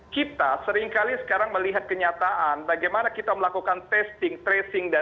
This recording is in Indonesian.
kita seringkali sekarang melihat kenyataan bagaimana kita melakukan testing tracing